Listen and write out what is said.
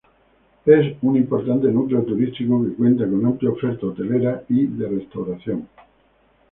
Es un importante núcleo turístico que cuenta con amplia oferta hotelera y de restauración.